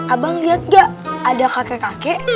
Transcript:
abang lihat gak ada kakek kakek